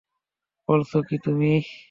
বলছ কি তুমি?